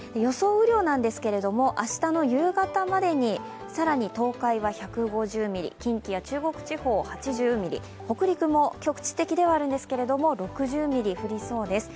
雨量ですが、明日の夕方までに更に東海は１５０ミリ、近畿や中国地方８０ミリ、北陸も局地的ではあるんですけど６０ミリ降りそうです。